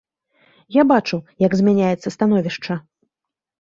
Я бачу, як змяняецца становішча.